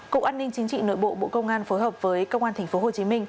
cục an ninh chính trị nội bộ bộ công an phối hợp với công an tp hcm